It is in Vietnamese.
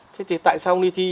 thế thì tại sao không đi thi